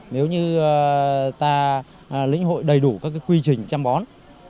nếu như ta lĩnh hội đầy đủ các quy trình chăm bón